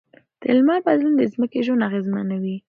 د لمر بدلون د ځمکې ژوند اغېزمنوي.